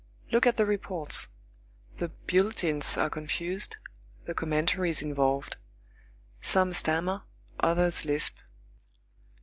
Look at the reports. The bulletins are confused, the commentaries involved. Some stammer, others lisp.